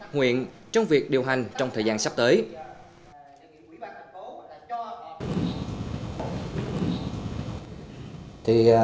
nguyện trong việc điều hành trong thời gian sắp tới